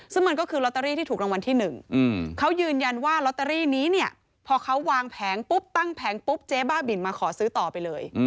ซึ่งมันก็คือลอตเตอรี่ที่ถูกรางวัลที่๑เขายืนยันว่าลอตเตอรี่นี้เนี่ยพอเขาวางแผงปุ๊บตั้งแผงปุ๊บเจ๊บ้าบินมาขอซื้อต่อไปเลย